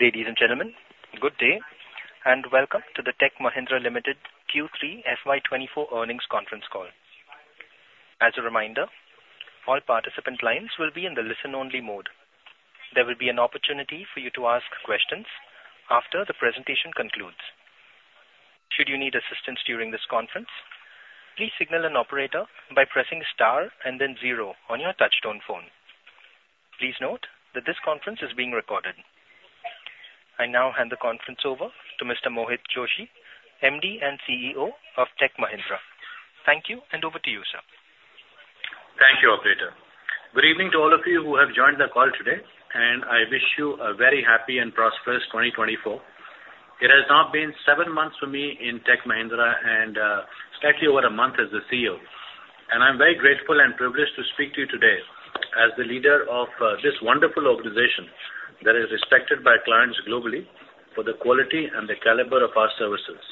Ladies and gentlemen, good day, and welcome to the Tech Mahindra Limited Q3 FY24 earnings conference call. As a reminder, all participant lines will be in the listen-only mode. There will be an opportunity for you to ask questions after the presentation concludes. Should you need assistance during this conference, please signal an operator by pressing star and then zero on your touchtone phone. Please note that this conference is being recorded. I now hand the conference over to Mr. Mohit Joshi, MD and CEO of Tech Mahindra. Thank you, and over to you, sir. Thank you, operator. Good evening to all of you who have joined the call today, and I wish you a very happy and prosperous 2024. It has now been seven months for me in Tech Mahindra and, slightly over a month as the CEO, and I'm very grateful and privileged to speak to you today as the leader of this wonderful organization that is respected by clients globally for the quality and the caliber of our services.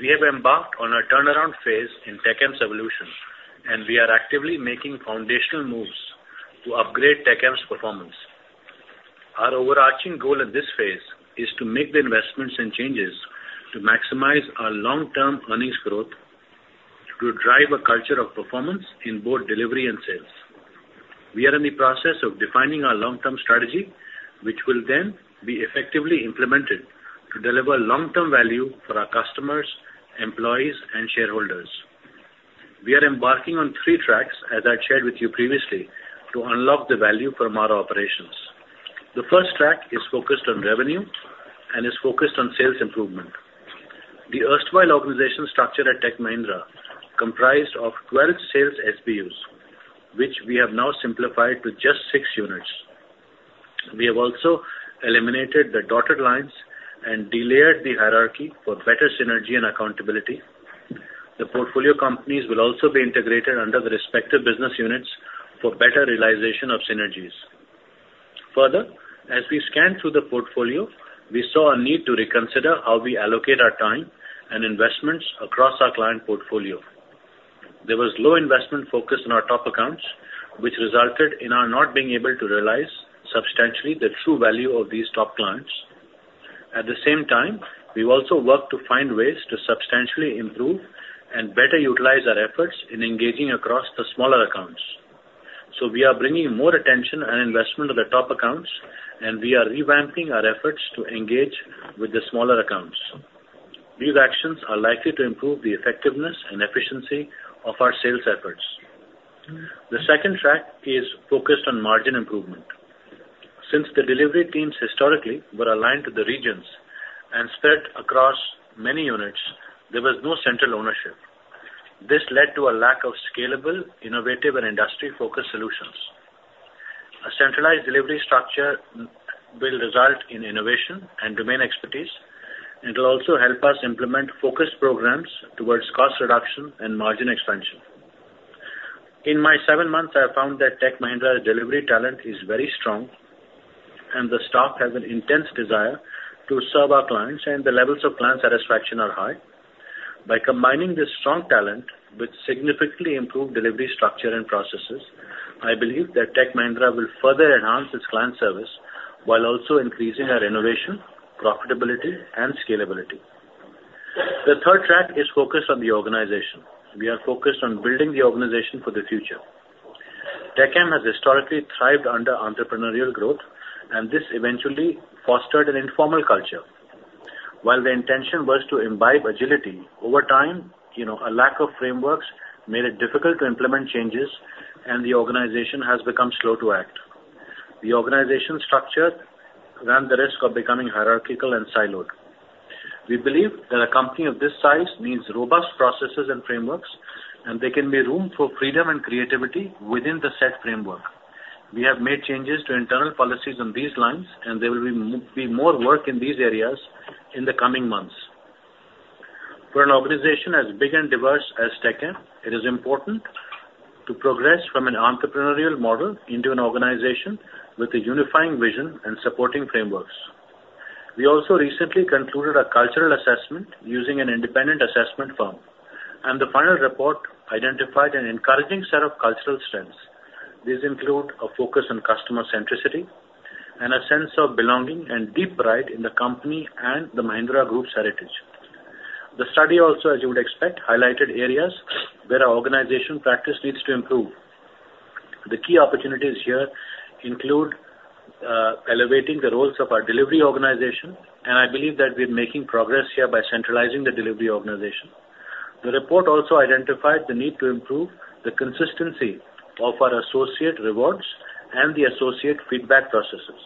We have embarked on a turnaround phase in Tech Mahindra's evolution, and we are actively making foundational moves to upgrade Tech Mahindra's performance. Our overarching goal at this phase is to make the investments and changes to maximize our long-term earnings growth, to drive a culture of performance in both delivery and sales. We are in the process of defining our long-term strategy, which will then be effectively implemented to deliver long-term value for our customers, employees, and shareholders. We are embarking on three tracks, as I shared with you previously, to unlock the value from our operations. The first track is focused on revenue and is focused on sales improvement. The erstwhile organization structure at Tech Mahindra comprised of 12 sales SBUs, which we have now simplified to just 6 units. We have also eliminated the dotted lines and delayered the hierarchy for better synergy and accountability. The portfolio companies will also be integrated under the respective business units for better realization of synergies. Further, as we scan through the portfolio, we saw a need to reconsider how we allocate our time and investments across our client portfolio. There was low investment focus in our top accounts, which resulted in our not being able to realize substantially the true value of these top clients. At the same time, we've also worked to find ways to substantially improve and better utilize our efforts in engaging across the smaller accounts. So we are bringing more attention and investment to the top accounts, and we are revamping our efforts to engage with the smaller accounts. These actions are likely to improve the effectiveness and efficiency of our sales efforts. The second track is focused on margin improvement. Since the delivery teams historically were aligned to the regions and spread across many units, there was no central ownership. This led to a lack of scalable, innovative, and industry-focused solutions. A centralized delivery structure will result in innovation and domain expertise. It'll also help us implement focused programs towards cost reduction and margin expansion. In my seven months, I have found that Tech Mahindra delivery talent is very strong, and the staff has an intense desire to serve our clients, and the levels of client satisfaction are high. By combining this strong talent with significantly improved delivery structure and processes, I believe that Tech Mahindra will further enhance its client service while also increasing our innovation, profitability, and scalability. The third track is focused on the organization. We are focused on building the organization for the future. Tech Mahindra has historically thrived under entrepreneurial growth, and this eventually fostered an informal culture. While the intention was to imbibe agility, over time, you know, a lack of frameworks made it difficult to implement changes, and the organization has become slow to act. The organization structure ran the risk of becoming hierarchical and siloed. We believe that a company of this size needs robust processes and frameworks, and there can be room for freedom and creativity within the set framework. We have made changes to internal policies on these lines, and there will be more work in these areas in the coming months. For an organization as big and diverse as Tech Mahindra, it is important to progress from an entrepreneurial model into an organization with a unifying vision and supporting frameworks. We also recently concluded a cultural assessment using an independent assessment firm, and the final report identified an encouraging set of cultural strengths. These include a focus on customer centricity and a sense of belonging and deep pride in the company and the Mahindra Group's heritage. The study also, as you would expect, highlighted areas where our organization practice needs to improve. The key opportunities here include elevating the roles of our delivery organization, and I believe that we're making progress here by centralizing the delivery organization. The report also identified the need to improve the consistency of our associate rewards and the associate feedback processes.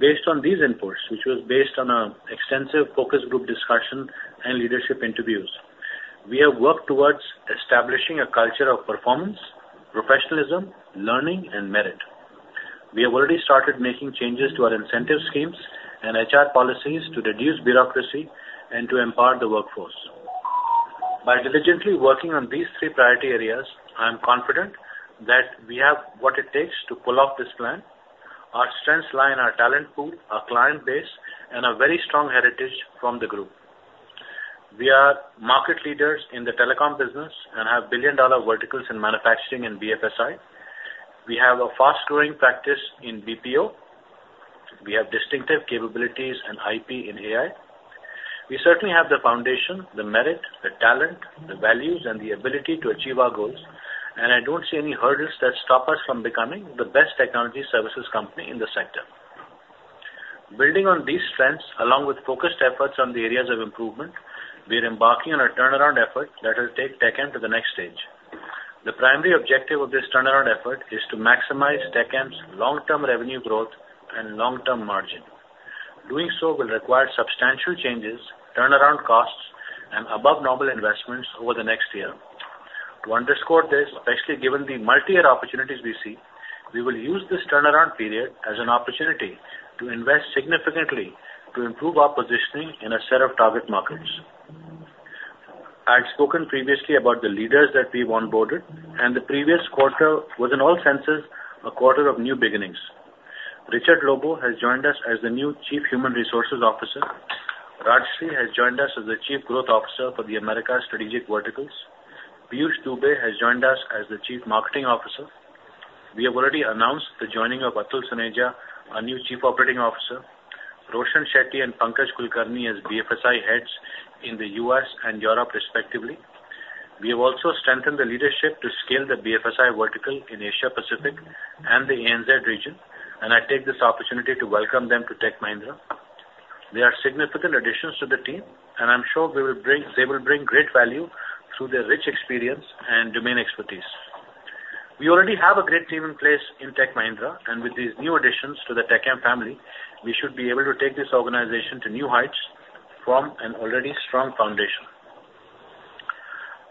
Based on these inputs, which was based on an extensive focus group discussion and leadership interviews, we have worked towards establishing a culture of performance, professionalism, learning, and merit. We have already started making changes to our incentive schemes and HR policies to reduce bureaucracy and to empower the workforce. By diligently working on these three priority areas, I am confident that we have what it takes to pull off this plan. Our strengths lie in our talent pool, our client base, and a very strong heritage from the group.... We are market leaders in the telecom business and have billion-dollar verticals in manufacturing and BFSI. We have a fast-growing practice in BPO. We have distinctive capabilities and IP in AI. We certainly have the foundation, the merit, the talent, the values, and the ability to achieve our goals, and I don't see any hurdles that stop us from becoming the best technology services company in the sector. Building on these strengths, along with focused efforts on the areas of improvement, we are embarking on a turnaround effort that will take TechM to the next stage. The primary objective of this turnaround effort is to maximize TechM's long-term revenue growth and long-term margin. Doing so will require substantial changes, turnaround costs, and above-normal investments over the next year. To underscore this, especially given the multi-year opportunities we see, we will use this turnaround period as an opportunity to invest significantly to improve our positioning in a set of target markets. I had spoken previously about the leaders that we've onboarded, and the previous quarter was, in all senses, a quarter of new beginnings. Richard Lobo has joined us as the new Chief Human Resources Officer. Rajashree R has joined us as the Chief Growth Officer for the Americas strategic verticals. Peeyush Dubey has joined us as the Chief Marketing Officer. We have already announced the joining of Atul Soneja, our new Chief Operating Officer, Roshan Shetty and Pankaj Kulkarni as BFSI heads in the U.S. and Europe respectively. We have also strengthened the leadership to scale the BFSI vertical in Asia Pacific and the ANZ region, and I take this opportunity to welcome them to Tech Mahindra. They are significant additions to the team, and I'm sure we will bring—they will bring great value through their rich experience and domain expertise. We already have a great team in place in Tech Mahindra, and with these new additions to the TechM family, we should be able to take this organization to new heights from an already strong foundation.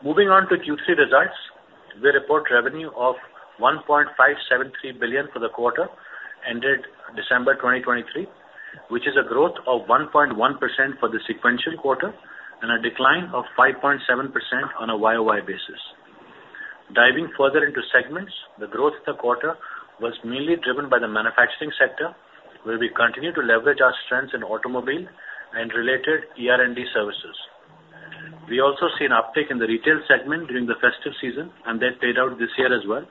Moving on to Q3 results, we report revenue of $1.573 billion for the quarter ended December 2023, which is a growth of 1.1% for the sequential quarter and a decline of 5.7% on a YOY basis. Diving further into segments, the growth in the quarter was mainly driven by the manufacturing sector, where we continue to leverage our strengths in automobile and related ER&D services. We also see an uptick in the retail segment during the festive season, and that paid out this year as well.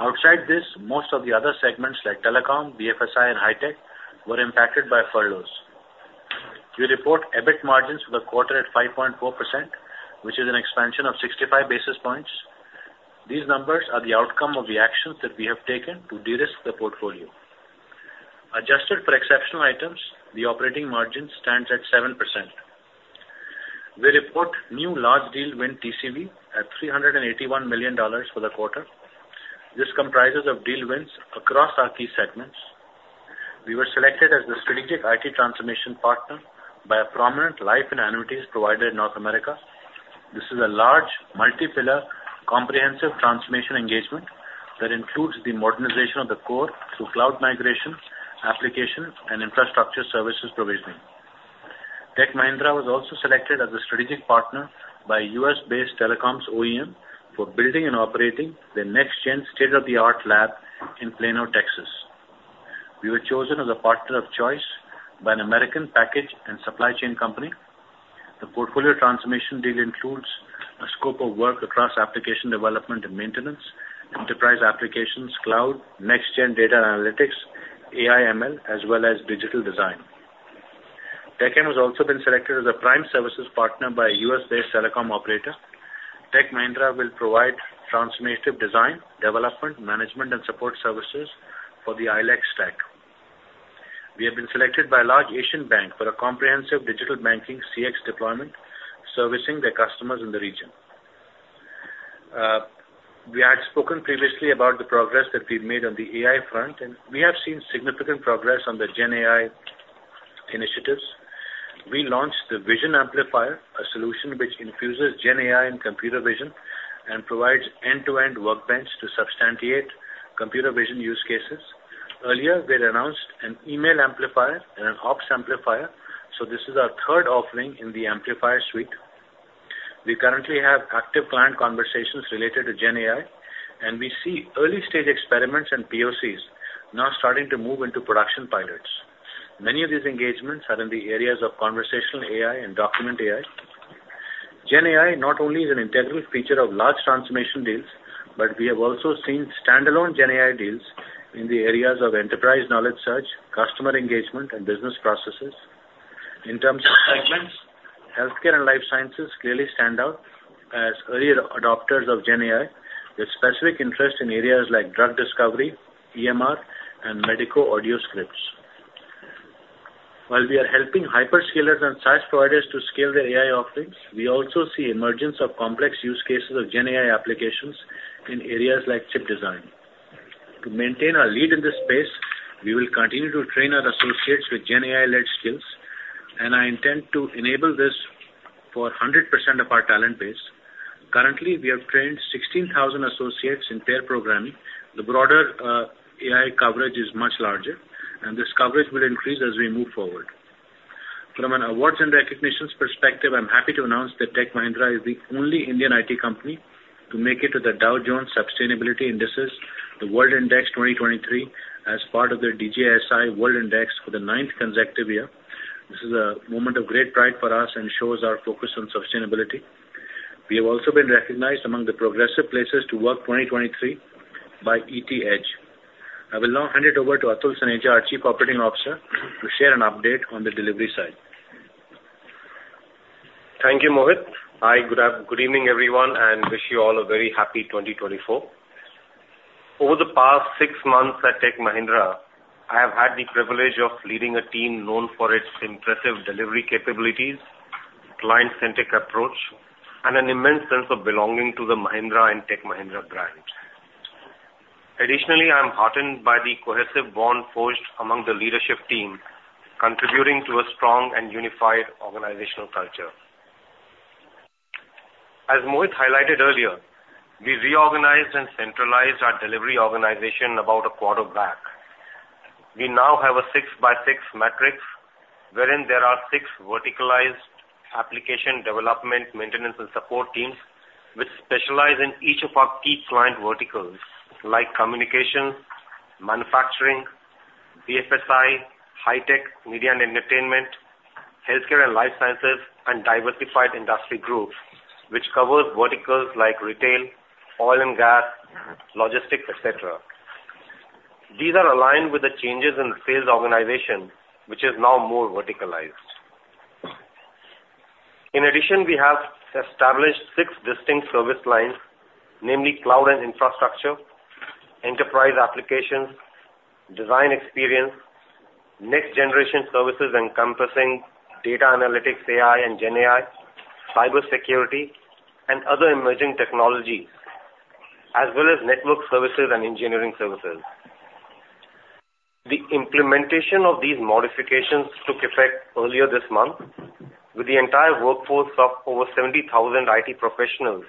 Outside this, most of the other segments like telecom, BFSI, and high tech were impacted by furloughs. We report EBIT margins for the quarter at 5.4%, which is an expansion of 65 basis points. These numbers are the outcome of the actions that we have taken to de-risk the portfolio. Adjusted for exceptional items, the operating margin stands at 7%. We report new large deal win TCV at $381 million for the quarter. This comprises of deal wins across our key segments. We were selected as the strategic IT transformation partner by a prominent life and annuities provider in North America. This is a large, multi-pillar, comprehensive transformation engagement that includes the modernization of the core through cloud migration, application and infrastructure services provisioning. Tech Mahindra was also selected as a strategic partner by U.S.-based telecoms OEM for building and operating the next gen state-of-the-art lab in Plano, Texas. We were chosen as a partner of choice by an American package and supply chain company. The portfolio transformation deal includes a scope of work across application development and maintenance, enterprise applications, cloud, next gen data analytics, AI, ML, as well as digital design. TechM has also been selected as a prime services partner by a U.S.-based telecom operator. Tech Mahindra will provide transformative design, development, management, and support services for the ILEC stack. We have been selected by a large Asian bank for a comprehensive digital banking CX deployment, servicing their customers in the region. We had spoken previously about the progress that we've made on the AI front, and we have seen significant progress on the GenAI initiatives. We launched the Vision amplifAIer, a solution which infuses GenAI and computer vision and provides end-to-end workbench to substantiate computer vision use cases. Earlier, we had announced an Email amplifAIer and an Ops amplifAIer, so this is our third offering in the amplifAIer suite. We currently have active client conversations related to GenAI, and we see early stage experiments and POCs now starting to move into production pilots. Many of these engagements are in the areas of conversational AI and document AI. GenAI not only is an integral feature of large transformation deals, but we have also seen standalone GenAI deals in the areas of enterprise knowledge search, customer engagement, and business processes. In terms of segments, healthcare and life sciences clearly stand out as early adopters of GenAI, with specific interest in areas like drug discovery, EMR, and medico audio scripts. While we are helping hyperscalers and SaaS providers to scale their AI offerings, we also see emergence of complex use cases of GenAI applications in areas like chip design. To maintain our lead in this space, we will continue to train our associates with GenAI-led skills, and I intend to enable this for 100% of our talent base. Currently, we have trained 16,000 associates in pair programming. The broader, AI coverage is much larger, and this coverage will increase as we move forward. From an awards and recognitions perspective, I'm happy to announce that Tech Mahindra is the only Indian IT company to make it to the Dow Jones Sustainability Indices-... the World Index 2023 as part of the DJSI World Index for the ninth consecutive year. This is a moment of great pride for us and shows our focus on sustainability. We have also been recognized among the Progressive Places to Work 2023 by ET Edge. I will now hand it over to Atul Soneja, our Chief Operating Officer, to share an update on the delivery side. Thank you, Mohit. Hi, good evening, everyone, and wish you all a very happy 2024. Over the past 6 months at Tech Mahindra, I have had the privilege of leading a team known for its impressive delivery capabilities, client-centric approach, and an immense sense of belonging to the Mahindra and Tech Mahindra brand. Additionally, I am heartened by the cohesive bond forged among the leadership team, contributing to a strong and unified organizational culture. As Mohit highlighted earlier, we reorganized and centralized our delivery organization about a quarter back. We now have a 6-by-6 matrix, wherein there are 6 verticalized application development, maintenance, and support teams, which specialize in each of our key client verticals, like communication, manufacturing, BFSI, high tech, media and entertainment, healthcare and life sciences, and diversified industry groups, which covers verticals like retail, oil and gas, logistics, et cetera. These are aligned with the changes in the sales organization, which is now more verticalized. In addition, we have established six distinct service lines, namely, cloud and infrastructure, enterprise applications, design experience, next generation services encompassing data analytics, AI, and GenAI, cybersecurity, and other emerging technologies, as well as network services and engineering services. The implementation of these modifications took effect earlier this month, with the entire workforce of over 70,000 IT professionals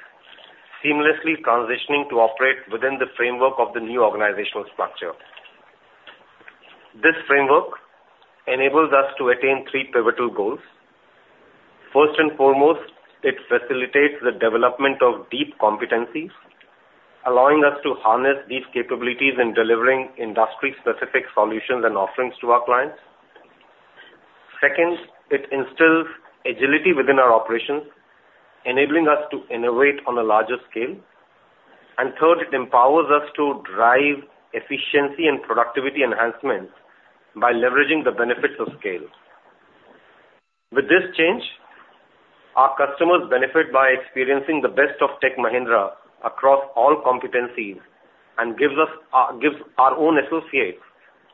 seamlessly transitioning to operate within the framework of the new organizational structure. This framework enables us to attain three pivotal goals. First and foremost, it facilitates the development of deep competencies, allowing us to harness these capabilities in delivering industry-specific solutions and offerings to our clients. Second, it instills agility within our operations, enabling us to innovate on a larger scale. And third, it empowers us to drive efficiency and productivity enhancements by leveraging the benefits of scale. With this change, our customers benefit by experiencing the best of Tech Mahindra across all competencies and gives us, gives our own associates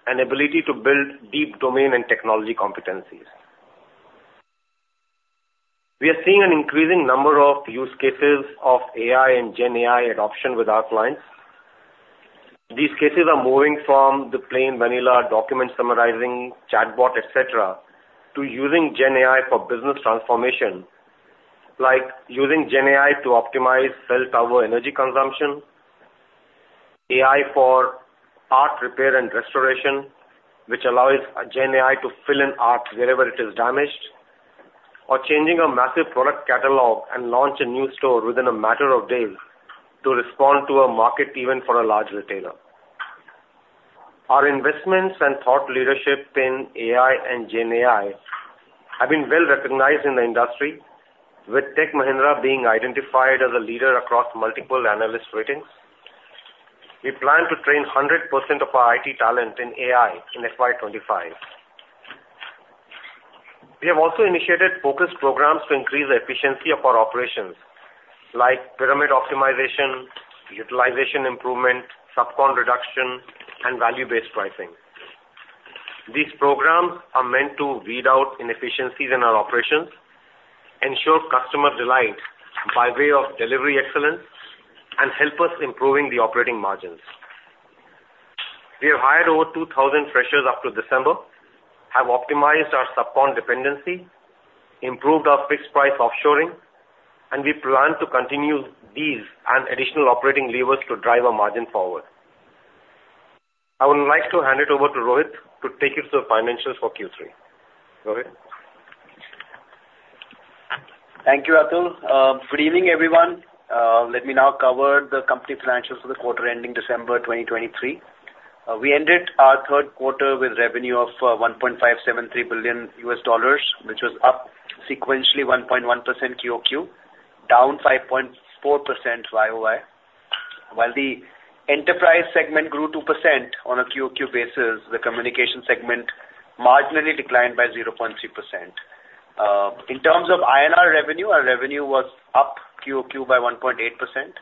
an ability to build deep domain and technology competencies. We are seeing an increasing number of use cases of AI and GenAI adoption with our clients. These cases are moving from the plain vanilla document summarizing, chatbot, et cetera, to using GenAI for business transformation, like using GenAI to optimize cell tower energy consumption, AI for art repair and restoration, which allows GenAI to fill in art wherever it is damaged, or changing a massive product catalog and launch a new store within a matter of days to respond to a market, even for a large retailer. Our investments and thought leadership in AI and GenAI have been well recognized in the industry, with Tech Mahindra being identified as a leader across multiple analyst ratings. We plan to train 100% of our IT talent in AI in FY25. We have also initiated focused programs to increase the efficiency of our operations, like pyramid optimization, utilization improvement, subcon reduction, and value-based pricing. These programs are meant to weed out inefficiencies in our operations, ensure customer delight by way of delivery excellence, and help us improving the operating margins. We have hired over 2,000 freshers up to December, have optimized our subcon dependency, improved our fixed price offshoring, and we plan to continue these and additional operating levers to drive our margin forward. I would like to hand it over to Rohit to take you through the financials for Q3. Rohit? Thank you, Atul. Good evening, everyone. Let me now cover the company financials for the quarter ending December 2023. We ended our third quarter with revenue of $1.573 billion, which was up sequentially 1.1% QOQ, down 5.4% YOY. While the enterprise segment grew 2% on a QOQ basis, the communication segment marginally declined by 0.3%. In terms of INR revenue, our revenue was up QOQ by 1.8%.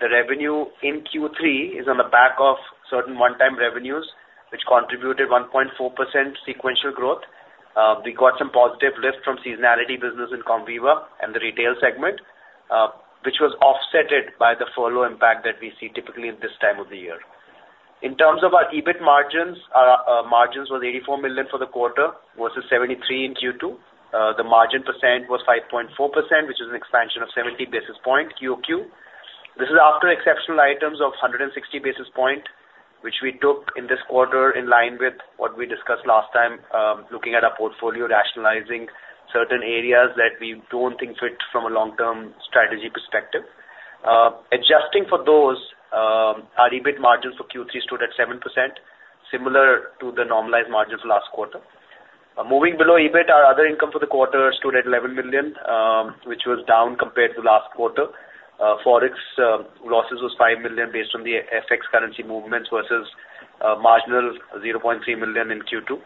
The revenue in Q3 is on the back of certain one-time revenues, which contributed 1.4% sequential growth. We got some positive lift from seasonality business in Comviva and the retail segment, which was offset by the furlough impact that we see typically at this time of the year. In terms of our EBIT margins, our margins was $84 million for the quarter versus $73 million in Q2. The margin percent was 5.4%, which is an expansion of 70 basis point QOQ. This is after exceptional items of 160 basis point.... which we took in this quarter, in line with what we discussed last time, looking at our portfolio, rationalizing certain areas that we don't think fit from a long-term strategy perspective. Adjusting for those, our EBIT margins for Q3 stood at 7%, similar to the normalized margins last quarter. Moving below EBIT, our other income for the quarter stood at $11 million, which was down compared to last quarter. Forex losses was $5 million based on the FX currency movements versus marginal $0.3 million in Q2.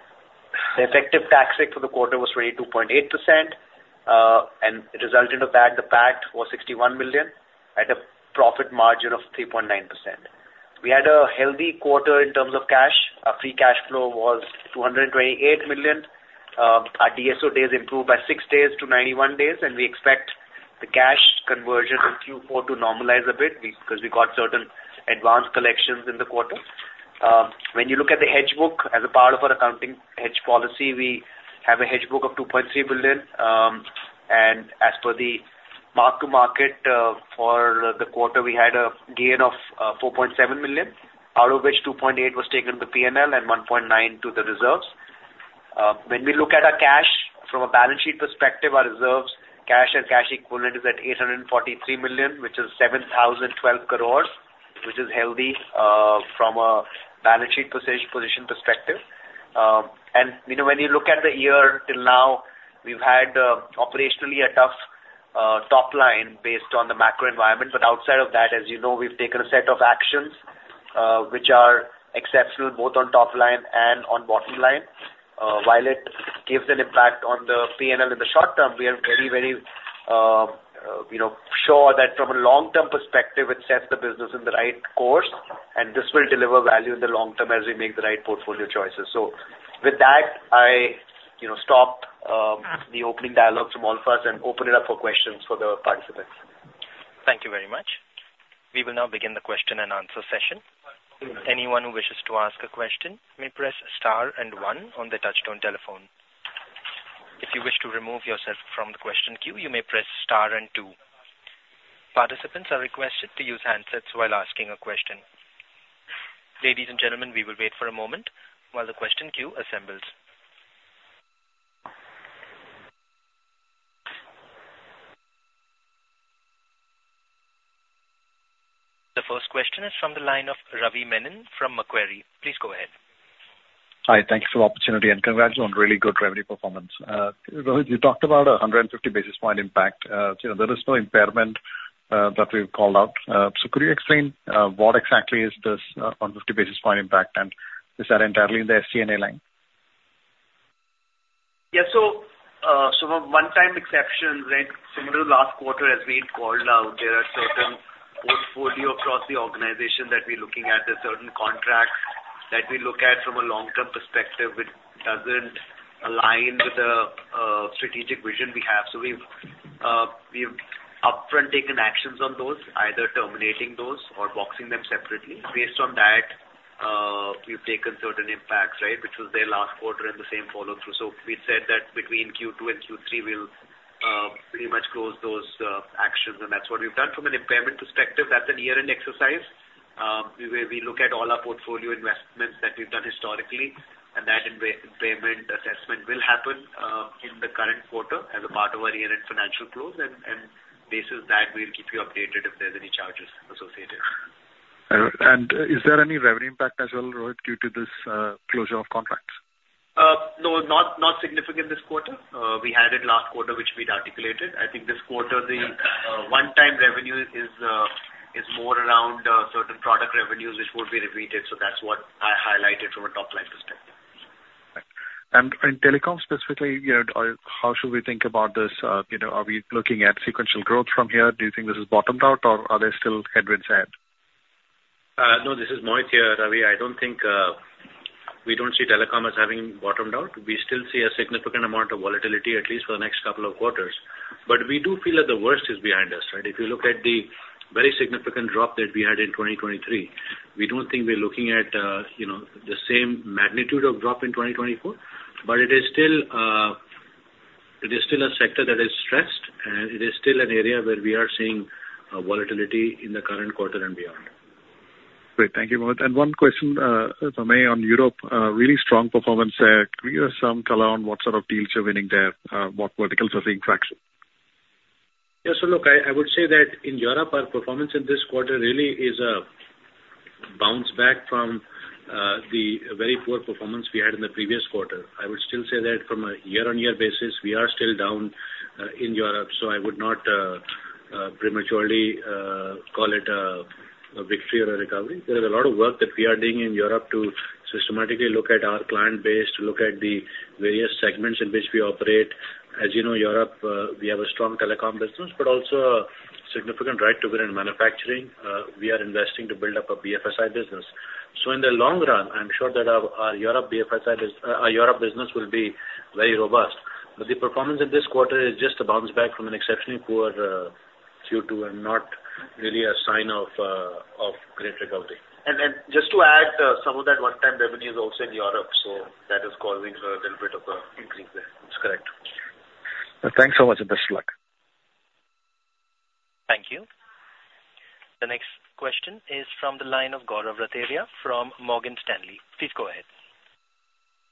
The effective tax rate for the quarter was 22.8%, and it resulted in the PAT, the PAT was $61 million at a profit margin of 3.9%. We had a healthy quarter in terms of cash. Our free cash flow was $228 million. Our DSO days improved by 6 days to 91 days, and we expect the cash conversion in Q4 to normalize a bit because we got certain advanced collections in the quarter. When you look at the hedge book, as a part of our accounting hedge policy, we have a hedge book of $2.3 billion. And as per the mark-to-market, for the quarter, we had a gain of $4.7 million, out of which $2.8 million was taken to P&L and $1.9 million to the reserves. When we look at our cash from a balance sheet perspective, our reserves, cash, and cash equivalent is at $843 million, which is 7,012 crore, which is healthy from a balance sheet position perspective. You know, when you look at the year till now, we've had operationally a tough top line based on the macro environment. But outside of that, as you know, we've taken a set of actions which are exceptional, both on top line and on bottom line. While it gives an impact on the P&L in the short term, we are very, very you know, sure that from a long-term perspective, it sets the business in the right course, and this will deliver value in the long term as we make the right portfolio choices. So with that, I, you know, stop the opening dialogue from all of us and open it up for questions for the participants. Thank you very much. We will now begin the question-and-answer session. Anyone who wishes to ask a question may press star and one on the touchtone telephone. If you wish to remove yourself from the question queue, you may press star and two. Participants are requested to use handsets while asking a question. Ladies and gentlemen, we will wait for a moment while the question queue assembles. The first question is from the line of Ravi Menon from Macquarie. Please go ahead. Hi, thank you for the opportunity, and congrats on really good revenue performance. Rohit, you talked about a 150 basis points impact. So there is no impairment that we've called out. So could you explain what exactly is this 150 basis points impact, and is that entirely in the SG&A line? Yeah. So, one-time exceptions, right? Similar to last quarter, as we had called out, there are certain portfolio across the organization that we're looking at, there are certain contracts that we look at from a long-term perspective, which doesn't align with the strategic vision we have. So we've upfront taken actions on those, either terminating those or boxing them separately. Based on that, we've taken certain impacts, right, which was there last quarter and the same follow-through. So we said that between Q2 and Q3, we'll pretty much close those actions, and that's what we've done. From an impairment perspective, that's a year-end exercise, where we look at all our portfolio investments that we've done historically, and that impairment assessment will happen in the current quarter as a part of our year-end financial close, and on that basis, we'll keep you updated if there's any charges associated. Is there any revenue impact as well, Rohit, due to this closure of contracts? No, not, not significant this quarter. We had it last quarter, which we'd articulated. I think this quarter, the, one-time revenue is, is more around, certain product revenues, which would be repeated. So that's what I highlighted from a top-line perspective. In telecom specifically, you know, how should we think about this? You know, are we looking at sequential growth from here? Do you think this is bottomed out, or are there still headwinds ahead? No, this is Mohit here, Ravi. I don't think we don't see telecom as having bottomed out. We still see a significant amount of volatility, at least for the next couple of quarters. But we do feel that the worst is behind us, right? If you look at the very significant drop that we had in 2023, we don't think we're looking at, you know, the same magnitude of drop in 2024. But it is still, it is still a sector that is stressed, and it is still an area where we are seeing volatility in the current quarter and beyond. Great. Thank you, Mohit. One question for me on Europe, really strong performance there. Can you give some color on what sort of deals you're winning there? What verticals are seeing traction? Yeah, so look, I, I would say that in Europe, our performance in this quarter really is a bounce back from the very poor performance we had in the previous quarter. I would still say that from a year-on-year basis, we are still down in Europe, so I would not prematurely call it a victory or a recovery. There is a lot of work that we are doing in Europe to systematically look at our client base, to look at the various segments in which we operate. As you know, Europe, we have a strong telecom business, but also a significant right to be in manufacturing. We are investing to build up a BFSI business. So in the long run, I'm sure that our Europe BFSI business will be very robust. But the performance in this quarter is just a bounce back from an exceptionally poor Q2, and not really a sign of great recovery. And then just to add, some of that one-time revenue is also in Europe, so that is causing a little bit of a increase there. That's correct. Thanks so much, and best of luck.... Thank you. The next question is from the line of Gaurav Rateria from Morgan Stanley. Please go ahead.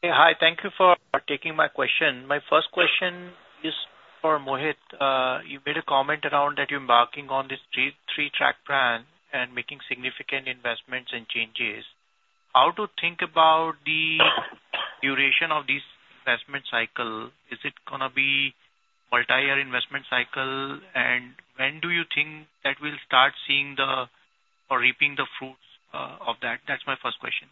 Hey, hi. Thank you for taking my question. My first question is for Mohit. You made a comment around that you're embarking on this three-track plan and making significant investments and changes. How to think about the duration of this investment cycle? Is it gonna be multi-year investment cycle? And when do you think that we'll start seeing or reaping the fruits of that? That's my first question.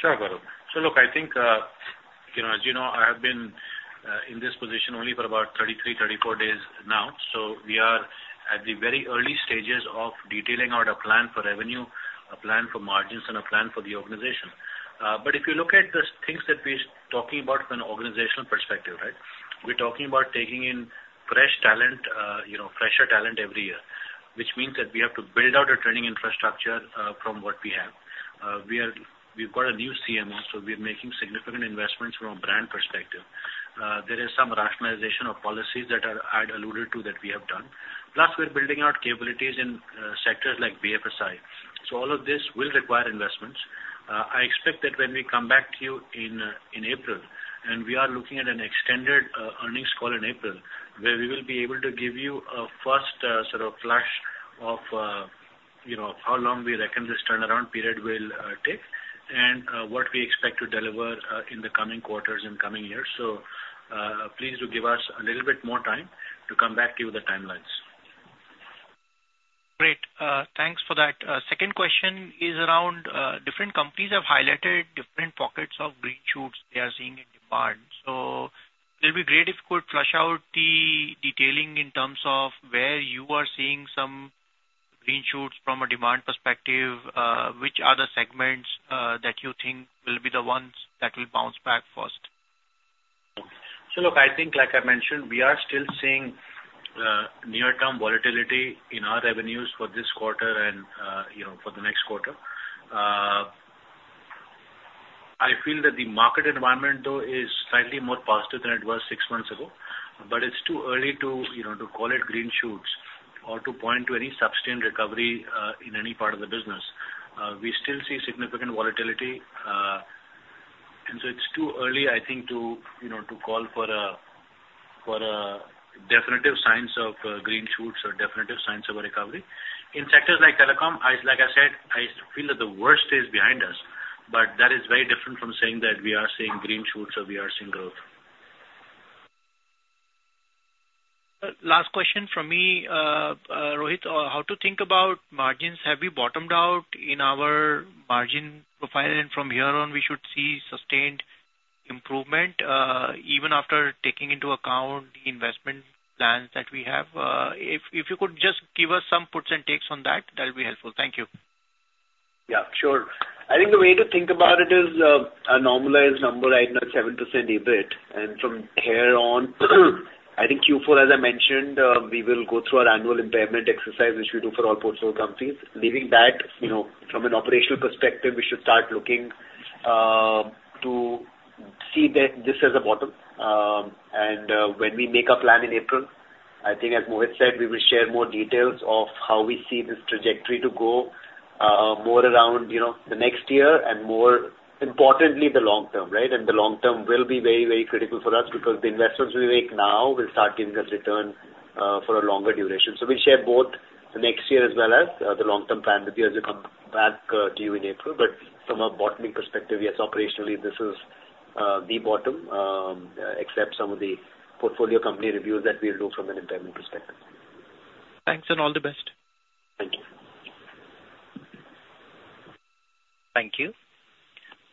Sure, Gaurav. So look, I think, you know, as you know, I have been in this position only for about 33, 34 days now. So we are at the very early stages of detailing out a plan for revenue, a plan for margins, and a plan for the organization. But if you look at the things that we're talking about from an organizational perspective, right? We're talking about taking in fresh talent, you know, fresher talent every year, which means that we have to build out a training infrastructure from what we have. We are- we've got a new CMO, so we are making significant investments from a brand perspective. There is some rationalization of policies that are- I'd alluded to, that we have done. Plus, we're building out capabilities in sectors like BFSI. So all of this will require investments. I expect that when we come back to you in April, and we are looking at an extended earnings call in April, where we will be able to give you a first sort of flash of, you know, how long we reckon this turnaround period will take, and what we expect to deliver in the coming quarters and coming years. So, please do give us a little bit more time to come back to you with the timelines. Great. Thanks for that. Second question is around different companies have highlighted different pockets of green shoots they are seeing in demand. So it'll be great if you could flush out the detailing in terms of where you are seeing some green shoots from a demand perspective, which are the segments that you think will be the ones that will bounce back first? So look, I think like I mentioned, we are still seeing, near-term volatility in our revenues for this quarter and, you know, for the next quarter. I feel that the market environment, though, is slightly more positive than it was six months ago, but it's too early to, you know, to call it green shoots or to point to any sustained recovery, in any part of the business. We still see significant volatility, and so it's too early, I think, to, you know, to call for a, for a definitive signs of, green shoots or definitive signs of a recovery. In sectors like telecom, like I said, I feel that the worst is behind us, but that is very different from saying that we are seeing green shoots or we are seeing growth. Last question from me. Rohit, how to think about margins? Have we bottomed out in our margin profile, and from here on, we should see sustained improvement, even after taking into account the investment plans that we have? If you could just give us some puts and takes on that, that'll be helpful. Thank you. Yeah, sure. I think the way to think about it is, a normalized number right now, 7% EBIT, and from here on, I think Q4, as I mentioned, we will go through our annual impairment exercise, which we do for all portfolio companies. Leaving that, you know, from an operational perspective, we should start looking to see that this as a bottom. And when we make our plan in April, I think as Mohit said, we will share more details of how we see this trajectory to go, more around, you know, the next year and more importantly, the long term, right? And the long term will be very, very critical for us because the investments we make now will start giving us return, for a longer duration. So we'll share both the next year as well as, the long-term plan with you as we come back, to you in April. But from a bottoming perspective, yes, operationally, this is, the bottom, except some of the portfolio company reviews that we'll do from an impairment perspective. Thanks, and all the best. Thank you. Thank you.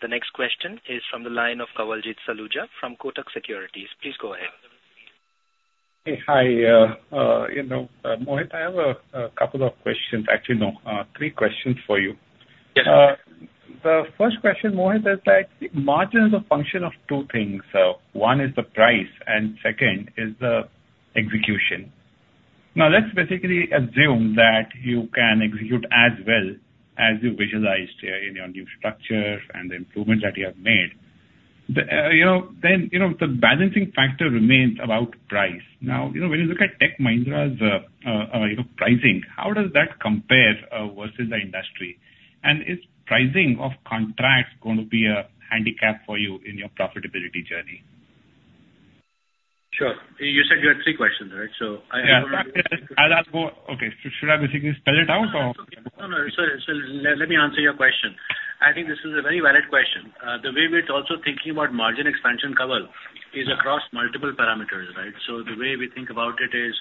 The next question is from the line of Kawaljeet Saluja from Kotak Securities. Please go ahead. Hey, hi, you know, Mohit, I have a couple of questions. Actually, no, three questions for you. Yes. The first question, Mohit, is that margin is a function of two things. One is the price, and second is the execution. Now, let's basically assume that you can execute as well as you visualized, in your new structure and the improvements that you have made. You know, then, you know, the balancing factor remains about price. Now, you know, when you look at Tech Mahindra's, you know, pricing, how does that compare, versus the industry? And is pricing of contracts going to be a handicap for you in your profitability journey? Sure. You said you had three questions, right? So I- Yeah. I'll ask more. Okay, so should I basically spell it out or? No, no. So, so let me answer your question. I think this is a very valid question. The way we're also thinking about margin expansion, Kawal, is across multiple parameters, right? So the way we think about it is,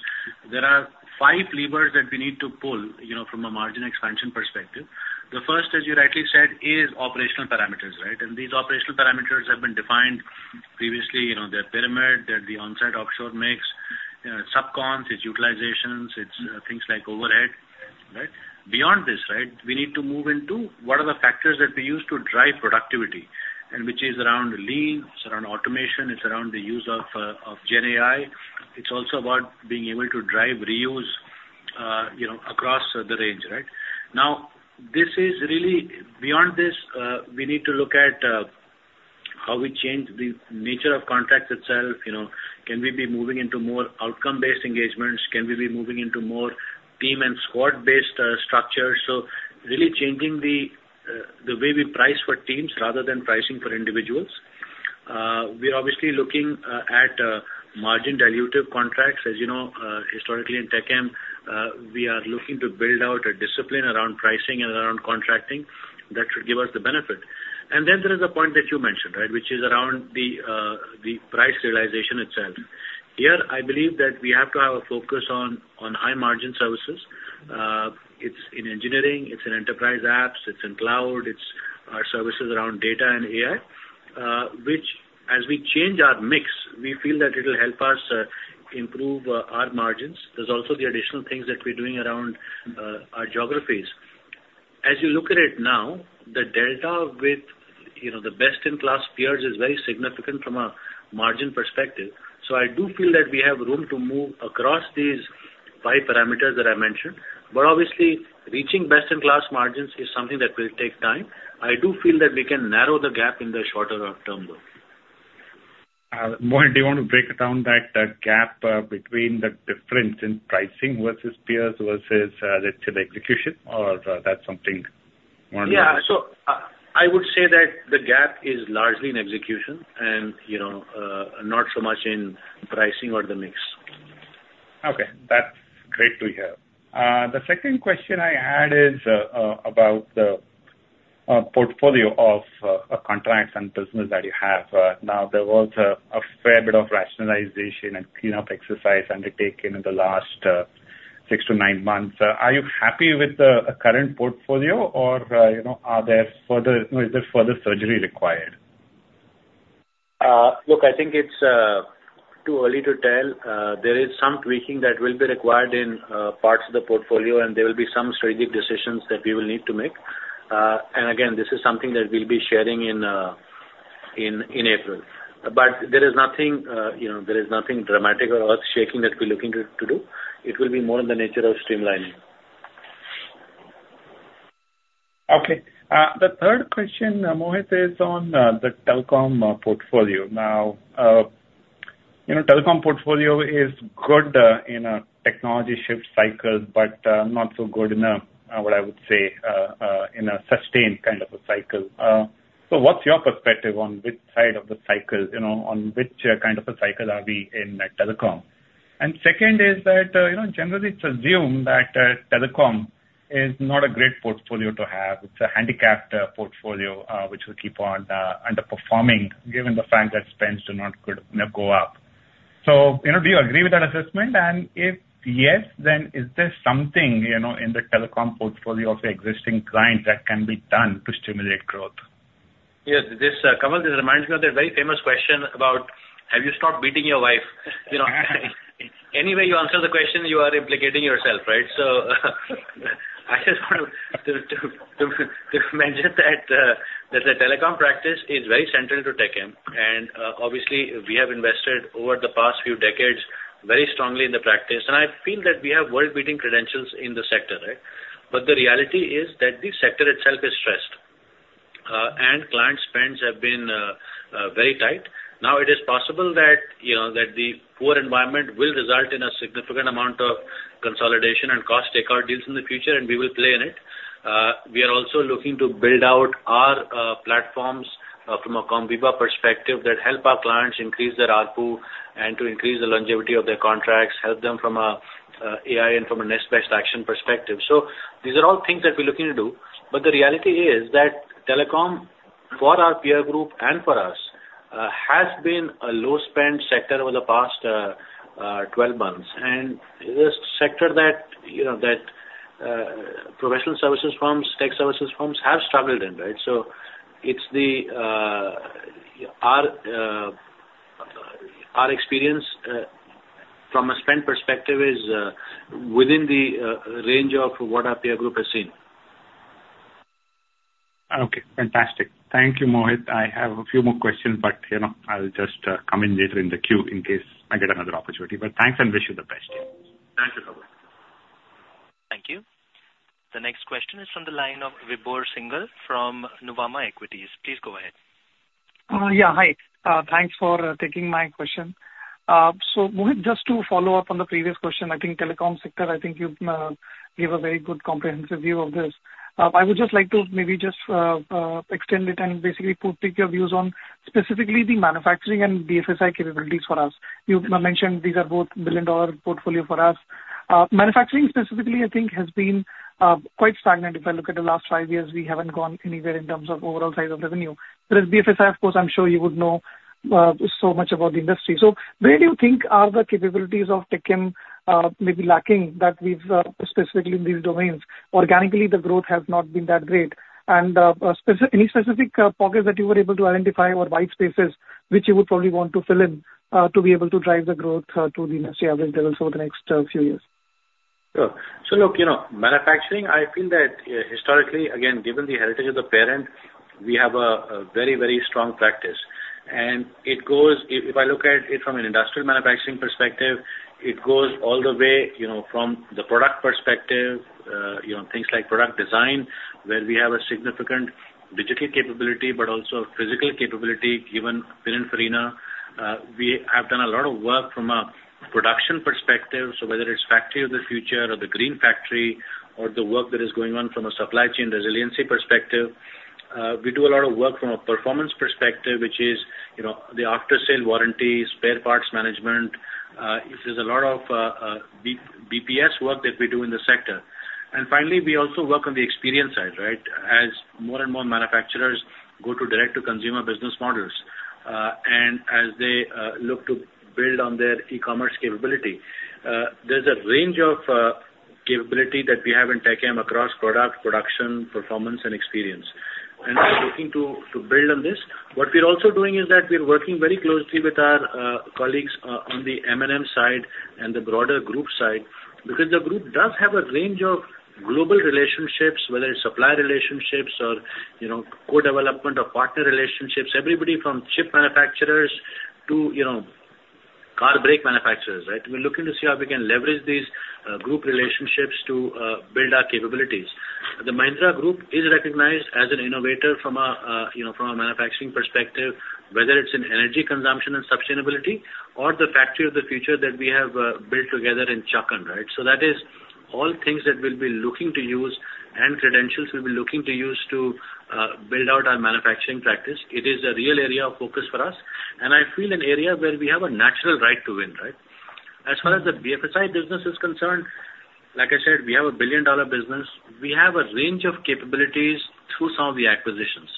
there are five levers that we need to pull, you know, from a margin expansion perspective. The first, as you rightly said, is operational parameters, right? And these operational parameters have been defined previously, you know, their pyramid, their the onsite-offshore mix, subcons, it's utilizations, it's things like overhead, right? Beyond this, right, we need to move into what are the factors that we use to drive productivity, and which is around Lean, it's around automation, it's around the use of, of GenAI. It's also about being able to drive reuse, you know, across the range, right? Now, this is really... Beyond this, we need to look at how we change the nature of contracts itself, you know, can we be moving into more outcome-based engagements? Can we be moving into more team and squad-based structures? So really changing the way we price for teams rather than pricing for individuals. We are obviously looking at margin dilutive contracts. As you know, historically in Tech M, we are looking to build out a discipline around pricing and around contracting. That should give us the benefit. And then there is a point that you mentioned, right? Which is around the price realization itself. Here, I believe that we have to have a focus on high margin services. It's in engineering, it's in enterprise apps, it's in cloud, it's our services around data and AI, which as we change our mix, we feel that it'll help us improve our margins. There's also the additional things that we're doing around our geographies. As you look at it now, the delta with, you know, the best-in-class peers is very significant from a margin perspective. So I do feel that we have room to move across these five parameters that I mentioned. But obviously, reaching best-in-class margins is something that will take time. I do feel that we can narrow the gap in the shorter of term, though. Mohit, do you want to break down that gap between the difference in pricing versus peers, versus let's say, the execution, or that's something more? Yeah. So I would say that the gap is largely in execution and, you know, not so much in pricing or the mix. Okay. That's great to hear. The second question I had is about the portfolio of contracts and business that you have. Now, there was a fair bit of rationalization and clean up exercise undertaken in the last 6 to 9 months. Are you happy with the current portfolio, or, you know, are there further... is there further surgery required? Look, I think it's too early to tell. There is some tweaking that will be required in parts of the portfolio, and there will be some strategic decisions that we will need to make. And again, this is something that we'll be sharing in April. But there is nothing, you know, there is nothing dramatic or earth-shaking that we're looking to do. It will be more in the nature of streamlining. Okay. The third question, Mohit, is on the telecom portfolio. Now, you know, telecom portfolio is good in a technology shift cycle, but not so good in a what I would say in a sustained kind of a cycle. So what's your perspective on which side of the cycle, you know, on which kind of a cycle are we in telecom? And second is that, you know, generally it's assumed that telecom is not a great portfolio to have. It's a handicapped portfolio which will keep on underperforming, given the fact that spends do not good, you know, go up. So, you know, do you agree with that assessment? And if yes, then is there something, you know, in the telecom portfolio of your existing clients that can be done to stimulate growth? Yes. This, Kawal, this reminds me of that very famous question about, have you stopped beating your wife? You know, any way you answer the question, you are implicating yourself, right? So I just want to mention that, that the telecom practice is very central to Tech M, and, obviously, we have invested over the past few decades, very strongly in the practice. And I feel that we have world-beating credentials in the sector, right? But the reality is that the sector itself is stressed, and client spends have been, very tight. Now, it is possible that, you know, that the poor environment will result in a significant amount of consolidation and cost takeout deals in the future, and we will play in it. We are also looking to build out our platforms from a Comviva perspective that help our clients increase their ARPU and to increase the longevity of their contracts, help them from a AI and from a next best action perspective. So these are all things that we're looking to do. But the reality is that telecom, for our peer group and for us, has been a low-spend sector over the past 12 months. And it is a sector that, you know, professional services firms, tech services firms have struggled in, right? So it's the. Our experience from a spend perspective is within the range of what our peer group has seen. Okay, fantastic. Thank you, Mohit. I have a few more questions, but, you know, I'll just come in later in the queue in case I get another opportunity. But thanks, and wish you the best. Thank you, Kawal. Thank you. The next question is from the line of Vibhor Singhal from Nuvama Equities. Please go ahead. Yeah, hi. Thanks for taking my question. So Mohit, just to follow up on the previous question, I think telecom sector, I think you gave a very good comprehensive view of this. I would just like to maybe just extend it and basically take your views on specifically the manufacturing and BFSI capabilities for us. You mentioned these are both billion-dollar portfolio for us. Manufacturing specifically, I think, has been quite stagnant. If I look at the last five years, we haven't gone anywhere in terms of overall size of revenue. Whereas BFSI, of course, I'm sure you would know so much about the industry. So where do you think are the capabilities of TechM maybe lacking that we've specifically in these domains? Organically, the growth has not been that great. Any specific pockets that you were able to identify or white spaces, which you would probably want to fill in, to be able to drive the growth, to the necessary available levels over the next few years? Sure. So look, you know, manufacturing, I feel that historically, again, given the heritage of the parent, we have a very, very strong practice. And it goes. If I look at it from an industrial manufacturing perspective, it goes all the way, you know, from the product perspective, you know, things like product design where we have a significant digital capability, but also a physical capability, given Pininfarina. We have done a lot of work from a production perspective, so whether it's factory of the future or the green factory or the work that is going on from a supply chain resiliency perspective. We do a lot of work from a performance perspective, which is, you know, the after-sale warranty, spare parts management. This is a lot of BPS work that we do in the sector. And finally, we also work on the experience side, right? As more and more manufacturers go to direct-to-consumer business models, and as they look to build on their e-commerce capability, there's a range of capability that we have in Tech M across product, production, performance, and experience. And we're looking to build on this. What we're also doing is that we're working very closely with our colleagues on the M&M side and the broader group side, because the group does have a range of global relationships, whether it's supplier relationships or, you know, co-development or partner relationships, everybody from chip manufacturers to, you know, car brake manufacturers, right? We're looking to see how we can leverage these group relationships to build our capabilities. The Mahindra Group is recognized as an innovator from a, you know, from a manufacturing perspective, whether it's in energy consumption and sustainability or the factory of the future that we have built together in Chakan, right? So that is all things that we'll be looking to use, and credentials we'll be looking to use to build out our manufacturing practice. It is a real area of focus for us, and I feel an area where we have a natural right to win, right? As far as the BFSI business is concerned, like I said, we have a billion-dollar business. We have a range of capabilities through some of the acquisitions.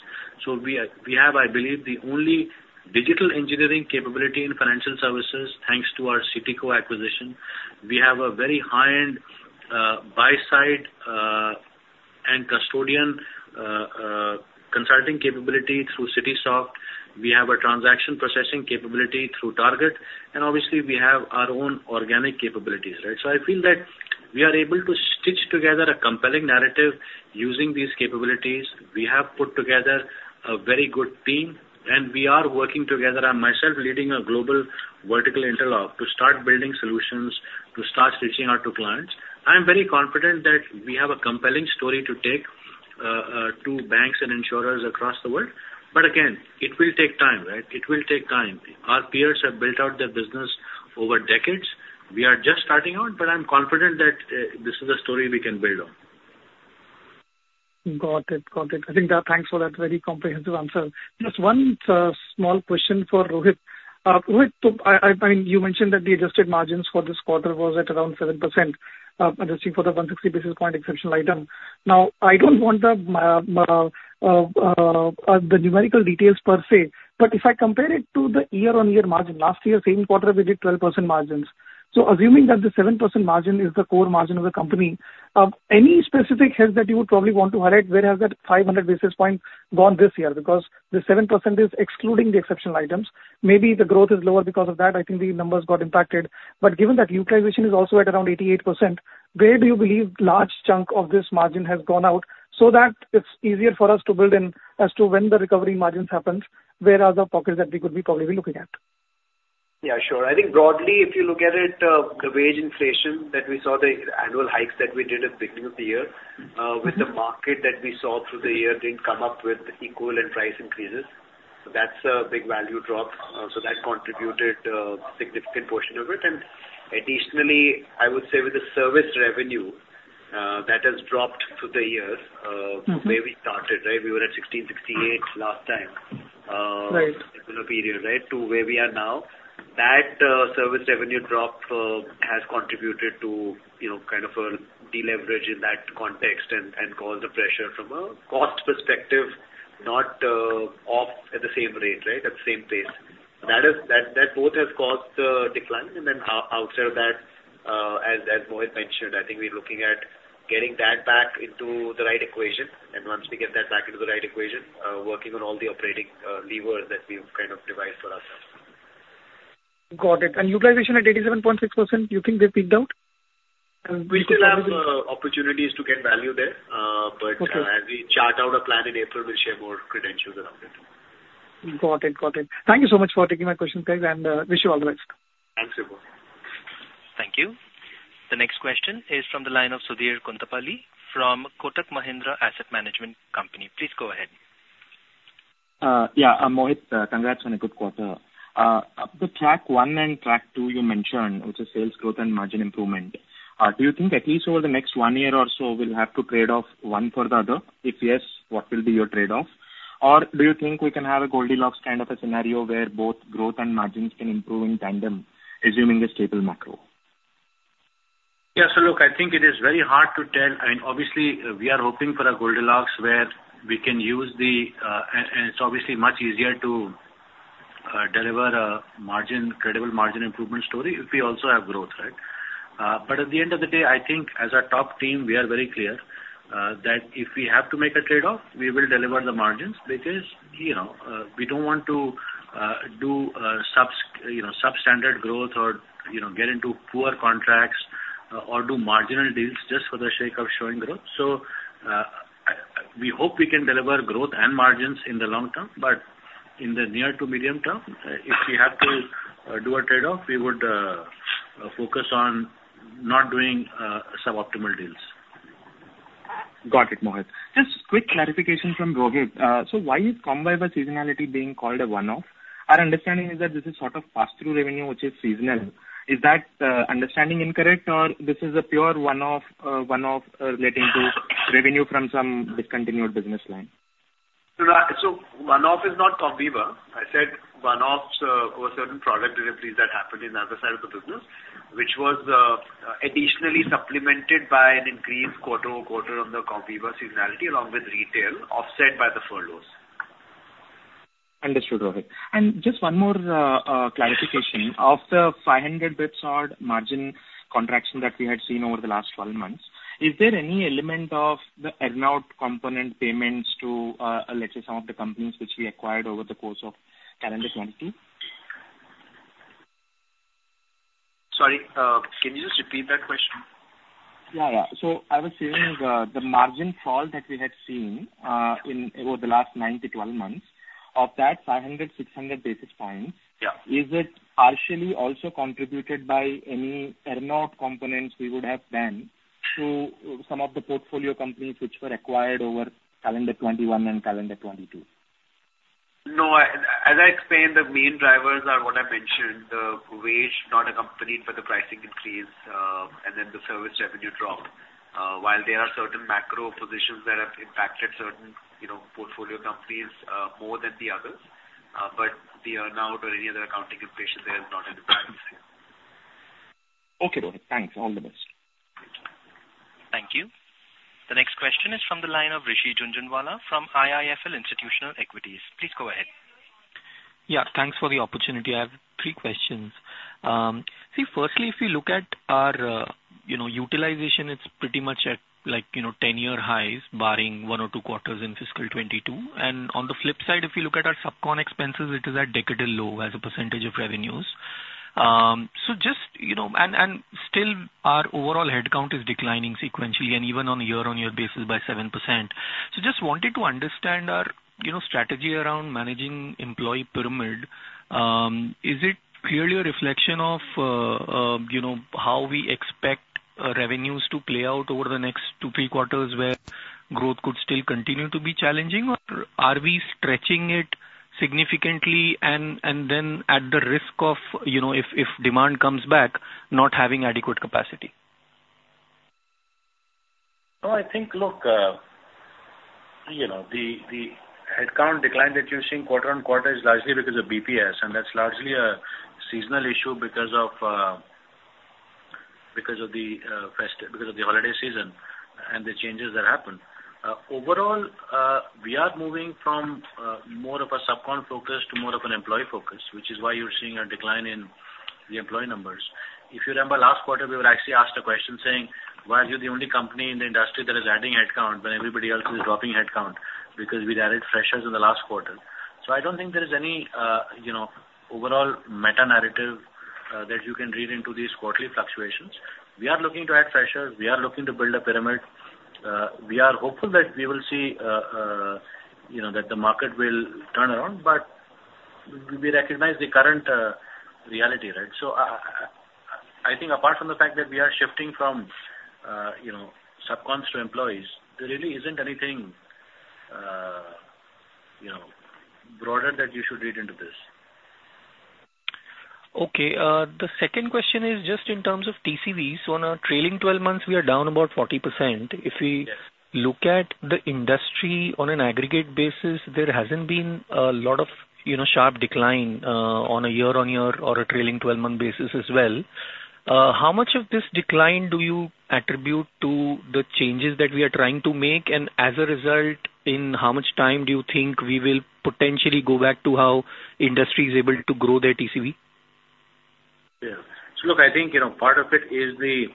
So we, we have, I believe, the only digital engineering capability in financial services, thanks to our CTCo acquisition. We have a very high-end buy-side and custodian consulting capability through Citisoft. We have a transaction processing capability through Target, and obviously, we have our own organic capabilities, right? So I feel that we are able to stitch together a compelling narrative using these capabilities. We have put together a very good team, and we are working together. I'm myself leading a global vertical interlock to start building solutions, to start reaching out to clients. I'm very confident that we have a compelling story to take to banks and insurers across the world. But again, it will take time, right? It will take time. Our peers have built out their business over decades. We are just starting out, but I'm confident that this is a story we can build on. Got it. Got it. I think, thanks for that very comprehensive answer. Just one small question for Rohit. Rohit, so I mean, you mentioned that the adjusted margins for this quarter was at around 7%, adjusting for the 160 basis point exceptional item. Now, I don't want the numerical details per se, but if I compare it to the year-on-year margin, last year, same quarter, we did 12% margins. So assuming that the 7% margin is the core margin of the company, any specific heads that you would probably want to highlight, where has that 500 basis point gone this year? Because the 7% is excluding the exceptional items. Maybe the growth is lower because of that, I think the numbers got impacted. Given that utilization is also at around 88%, where do you believe large chunk of this margin has gone out so that it's easier for us to build in as to when the recovery margins happens, where are the pockets that we could probably be looking at? Yeah, sure. I think broadly, if you look at it, the wage inflation that we saw, the annual hikes that we did at the beginning of the year, with the market that we saw through the year, didn't come up with equivalent price increases. So that's a big value drop. So that contributed a significant portion of it. And additionally, I would say with the service revenue, that has dropped through the years, Mm-hmm. Where we started, right? We were at 1,668 last time. Right. Regular period, right? To where we are now. That service revenue drop has contributed to, you know, kind of a deleverage in that context and caused the pressure from a cost perspective, not off at the same rate, right, at the same pace. That is, that both has caused a decline. And then outside of that, as Rohit mentioned, I think we're looking at getting that back into the right equation. And once we get that back into the right equation, working on all the operating levers that we've kind of devised for ourselves. Got it. And utilization at 87.6%, you think they've peaked out? We still have opportunities to get value there. But- Okay. As we chart out a plan in April, we'll share more credentials around it. Got it. Got it. Thank you so much for taking my questions, guys, and wish you all the best. Thanks, Vipin. Thank you. The next question is from the line of Sudhir Guntupalli from Kotak Mahindra Asset Management Company. Please go ahead. Yeah, Mohit, congrats on a good quarter. The track one and track two you mentioned, which is sales growth and margin improvement, do you think at least over the next one year or so, we'll have to trade off one for the other? If yes, what will be your trade-off? Or do you think we can have a Goldilocks kind of a scenario where both growth and margins can improve in tandem, assuming a stable macro? Yeah, so look, I think it is very hard to tell, and obviously, we are hoping for a Goldilocks where we can use the and it's obviously much easier to deliver a margin, credible margin improvement story if we also have growth, right? But at the end of the day, I think as a top team, we are very clear that if we have to make a trade-off, we will deliver the margins because, you know, we don't want to do substandard growth or, you know, get into poor contracts or do marginal deals just for the sake of showing growth. So we hope we can deliver growth and margins in the long term, but- ... in the near to medium term, if we have to do a trade-off, we would focus on not doing suboptimal deals. Got it, Mohit. Just quick clarification from Rohit. So why is Comviva seasonality being called a one-off? Our understanding is that this is sort of pass-through revenue, which is seasonal. Is that understanding incorrect, or this is a pure one-off, one-off relating to revenue from some discontinued business line? So one-off is not Comviva. I said one-offs, for certain product deliveries that happened in the other side of the business, which was, additionally supplemented by an increased quarter-over-quarter on the Comviva seasonality, along with retail, offset by the furloughs. Understood, Rohit. And just one more clarification. Of the 500 basis points odd margin contraction that we had seen over the last 12 months, is there any element of the earn-out component payments to, let's say, some of the companies which we acquired over the course of calendar 2020? Sorry, can you just repeat that question? Yeah, yeah. So I was saying, the margin fall that we had seen in over the last 9-12 months, of that 500-600 basis points- Yeah. Is it partially also contributed by any earn-out components we would have been through some of the portfolio companies which were acquired over calendar 2021 and calendar 2022? No, as I explained, the main drivers are what I mentioned, wage not accompanied by the pricing increase, and then the service revenue drop. While there are certain macro positions that have impacted certain, you know, portfolio companies, more than the others, but the earn-out or any other accounting impression, there is not any driver. Okay, Rohit. Thanks. All the best. Thank you. The next question is from the line of Rishi Jhunjhunwala from IIFL Institutional Equities. Please go ahead. Yeah, thanks for the opportunity. I have three questions. See, firstly, if we look at our, you know, utilization, it's pretty much at, like, you know, 10-year highs, barring one or two quarters in fiscal 2022. And on the flip side, if you look at our subcon expenses, it is at decadal low as a percentage of revenues. So just, you know, and, and still our overall headcount is declining sequentially and even on a year-on-year basis by 7%. So just wanted to understand our, you know, strategy around managing employee pyramid. Is it purely a reflection of, you know, how we expect revenues to play out over the next 2, 3 quarters, where growth could still continue to be challenging, or are we stretching it significantly and then at the risk of, you know, if demand comes back, not having adequate capacity? No, I think, look, you know, the headcount decline that you're seeing quarter-over-quarter is largely because of BPS, and that's largely a seasonal issue because of the holiday season and the changes that happen. Overall, we are moving from more of a subcon focus to more of an employee focus, which is why you're seeing a decline in the employee numbers. If you remember, last quarter, we were actually asked a question saying: Why are you the only company in the industry that is adding headcount when everybody else is dropping headcount? Because we'd added freshers in the last quarter. So I don't think there is any, you know, overall meta-narrative that you can read into these quarterly fluctuations. We are looking to add freshers. We are looking to build a pyramid. We are hopeful that we will see, you know, that the market will turn around, but we recognize the current reality, right? So I think apart from the fact that we are shifting from, you know, subcons to employees, there really isn't anything, you know, broader that you should read into this. Okay, the second question is just in terms of TCV. So on our trailing twelve months, we are down about 40%. Yeah. If we look at the industry on an aggregate basis, there hasn't been a lot of, you know, sharp decline on a year-on-year or a trailing twelve-month basis as well. How much of this decline do you attribute to the changes that we are trying to make? And as a result, in how much time do you think we will potentially go back to how industry is able to grow their TCV? Yeah. So look, I think, you know, part of it is the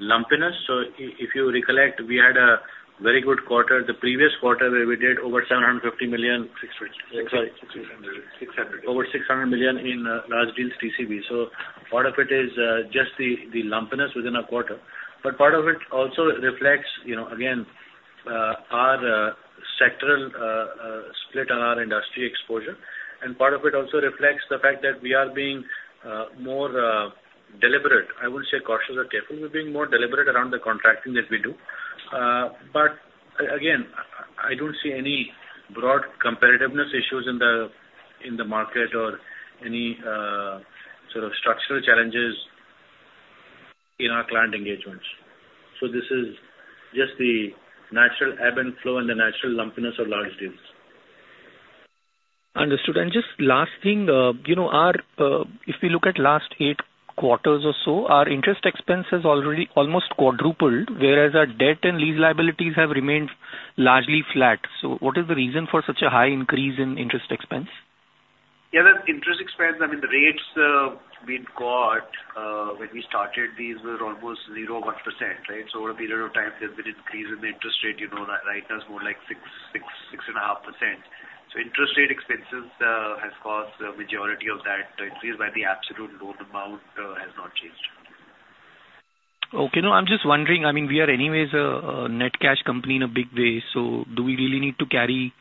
lumpiness. So if you recollect, we had a very good quarter, the previous quarter, where we did over $750 million- Six hundred. Sorry. Six hundred. Over $600 million in large deals TCV. So part of it is just the lumpiness within a quarter. But part of it also reflects, you know, again, our sectoral split on our industry exposure. And part of it also reflects the fact that we are being more deliberate, I wouldn't say cautious or careful. We're being more deliberate around the contracting that we do. But again, I don't see any broad competitiveness issues in the market or any sort of structural challenges in our client engagements. So this is just the natural ebb and flow and the natural lumpiness of large deals. Understood. Just last thing, you know, our, if we look at last eight quarters or so, our interest expense has already almost quadrupled, whereas our debt and lease liabilities have remained largely flat. So what is the reason for such a high increase in interest expense? Yeah, the interest expense, I mean, the rates we'd got when we started, these were almost 0-1%, right? So over a period of time, there's been increase in the interest rate, you know, right now it's more like 6-6.5%. So interest rate expenses has caused the majority of that increase, but the absolute loan amount has not changed. Okay. No, I'm just wondering, I mean, we are anyways a net cash company in a big way, so do we really need to carry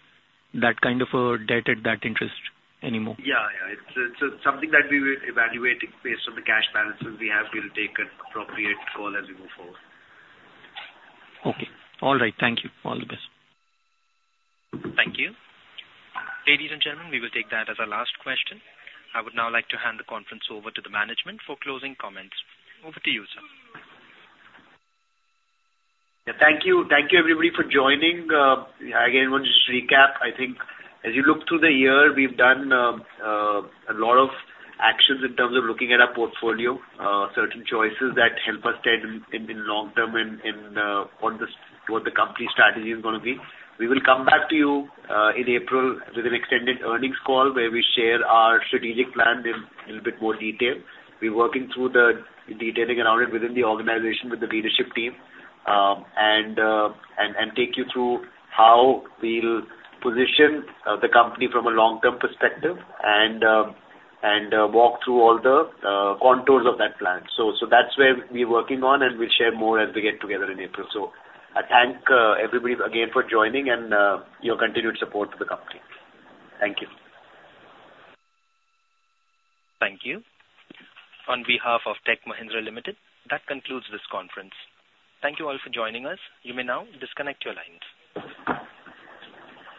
that kind of a debt at that interest anymore? Yeah, yeah. It's, it's something that we will evaluate based on the cash balances we have. We'll take an appropriate call as we move forward. Okay. All right. Thank you. All the best. Thank you. Ladies and gentlemen, we will take that as our last question. I would now like to hand the conference over to the management for closing comments. Over to you, sir. Yeah, thank you. Thank you, everybody, for joining. Again, I want to just recap. I think as you look through the year, we've done a lot of actions in terms of looking at our portfolio, certain choices that help us stay in the long term in what the company strategy is gonna be. We will come back to you in April with an extended earnings call, where we share our strategic plan in a little bit more detail. We're working through the detailing around it within the organization, with the leadership team, and take you through how we'll position the company from a long-term perspective and walk through all the contours of that plan. So that's where we're working on, and we'll share more as we get together in April. I thank everybody again for joining and your continued support to the company. Thank you. Thank you. On behalf of Tech Mahindra Limited, that concludes this conference. Thank you all for joining us. You may now disconnect your lines.